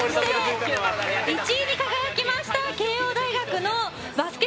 １位に輝きました慶應大学のバスケ